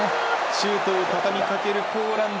シュートを畳みかけるポーランド。